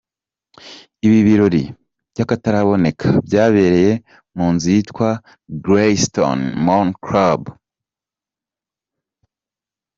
Ibi birori by’akataraboneka byabereye mu nzu yitwa Greystone Manor Club.